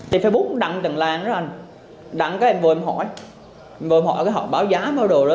thì facebook đăng tầng làng đó anh đăng cái em vô em hỏi vô em hỏi cái họ báo giá báo đồ đó